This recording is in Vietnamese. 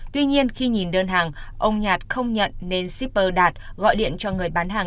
tuy nhiên khi nhìn đơn hàng ông nhạt không nhận nên shipper đạt gọi điện cho người bán hàng